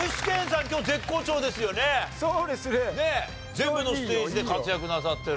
全部のステージで活躍なさってる。